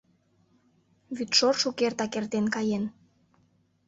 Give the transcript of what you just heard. Вӱдшор шукертак эртен каен.